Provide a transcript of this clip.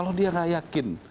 kalau dia tidak yakin